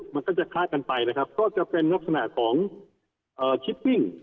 มันก็จะคล้ายกันไปนะครับก็จะเป็นลักษณะของชิปปิ้ง